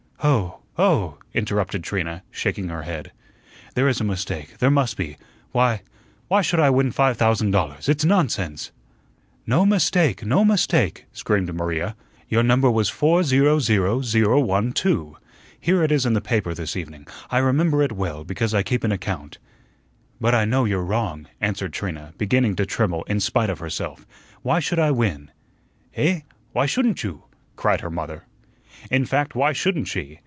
"Oh, oh!" interrupted Trina, shaking her head, "there is a mistake. There must be. Why why should I win five thousand dollars? It's nonsense!" "No mistake, no mistake," screamed Maria. "Your number was 400,012. Here it is in the paper this evening. I remember it well, because I keep an account." "But I know you're wrong," answered Trina, beginning to tremble in spite of herself. "Why should I win?" "Eh? Why shouldn't you?" cried her mother. In fact, why shouldn't she?